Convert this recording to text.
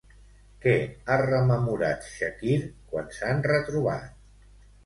Què ha rememorat Chakir quan s'han retrobat?